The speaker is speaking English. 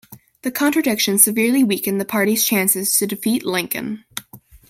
The contradiction severely weakened the party's chances to defeat Lincoln.